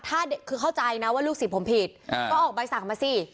ถ้าคือเข้าใจนะว่าลูกศิษย์ผมผิดก็ออกใบสั่งมาสิ